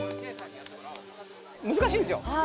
難しいんですよ。